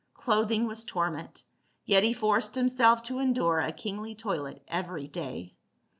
Clothing was torment, yet he forced himself to endure a kingly toilet every day.